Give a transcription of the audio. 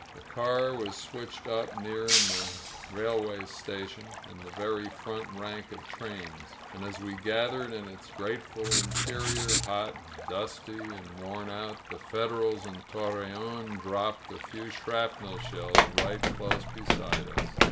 The car was switched up near in the railway station — ^in the very front rank of trains. And as we gathered in its grateful interior, hot, dusty and worn out, the Federals 857 INSURGENT MEXICO in Torreon (Iroppeii a few shrapnel shells right close beside us.